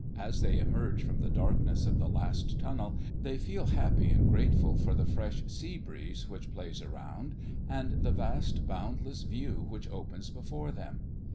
As they emerge from the darkness of the last tunnel, they feel happy and grateful for the fresh sea breeze which plays around and the vast, boundless view which opens before them.